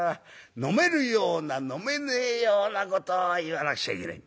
飲めるような飲めねえようなことを言わなくちゃいけねえ。